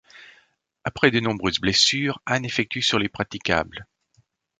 Après de nombreuses blessures, Anne effectue sur les praticables.